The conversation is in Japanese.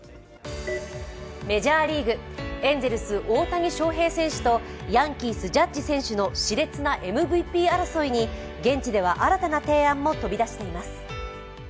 メジャーリーグ、エンゼルス大谷翔平選手とヤンキース・ジャッジ選手のし烈なＭＶＰ争いに現地では新たな提案も飛び出しています。